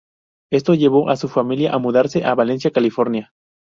Esto llevó a su familia a mudarse a Valencia, California.